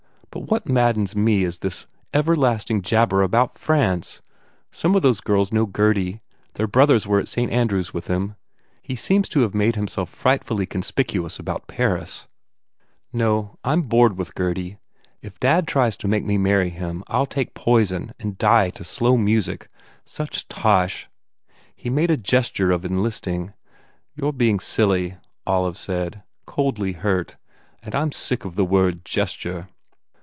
But what maddens me is this everlasting jabber about France! Some of those g ; rls know Gurdv. Their brothers were at Saint Andrew s with him. He seems to have made himself frightfully conspicuous about Paris. 217 THE FAIR REWARDS No, I m bored with Gurdy. If dad tries to make me marry him I ll take poison and die to slow music. Such tosh! He made a gesture of enlisting " "You re being silly," Olive said, coldly hurt, "and I m sick of the word, gesture.